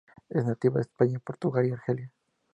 Es nativa de España, Portugal y Argelia.